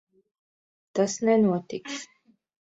Tas nenotiks.